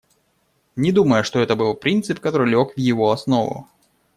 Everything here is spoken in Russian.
Не думаю, что это был принцип, который лег в его основу.